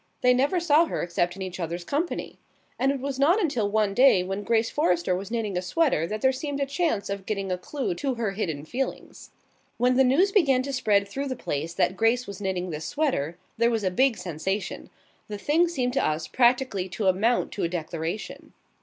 They never saw her except in each other's company. And it was not until one day when Grace Forrester was knitting a sweater that there seemed a chance of getting a clue to her hidden feelings. When the news began to spread through the place that Grace was knitting this sweater there was a big sensation. The thing seemed to us practically to amount to a declaration.